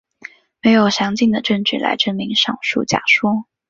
没有详尽的证据来证明上述假说。